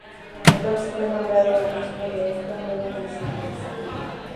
Entonces fue nombrado obispo de Osma y luego de Sigüenza.